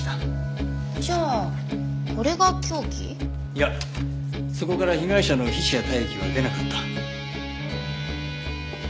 いやそこから被害者の皮脂や体液は出なかった。